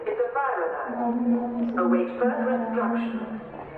Pro album byla píseň nahrána znovu.